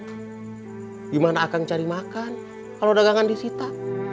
gimana akan cari makan kalau dagangan disita